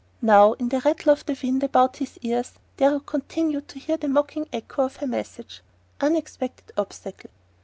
Now, in the rattle of the wind about his ears, Darrow continued to hear the mocking echo of her message: "Unexpected obstacle."